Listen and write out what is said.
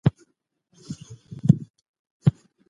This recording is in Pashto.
عثماني فتواګانې د شیعه سره همغږې وې.